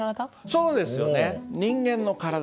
そうですね。